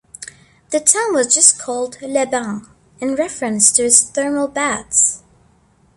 The town was just called "Les Bains" in reference to its thermal baths.